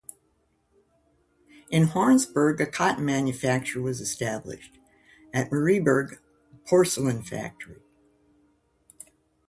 In Hornsberg a cotton manufacture was established, at Marieberg a porcelain factory.